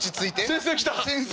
先生来た！